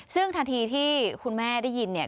ซึ่งทันทีที่คุณแม่ได้ยินเนี่ย